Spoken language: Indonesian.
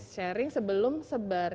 sharing sebelum sebar